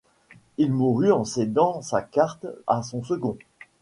Il mourut en cédant sa carte à son second.